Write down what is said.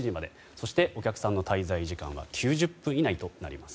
そして、お客さんの滞在時間は９０分以内となります。